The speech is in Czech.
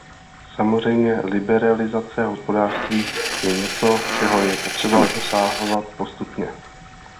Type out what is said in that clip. Samozřejmě liberalizace hospodářství je něco, čeho je potřeba dosahovat postupně.